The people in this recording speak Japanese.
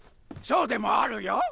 そうでもあるよ。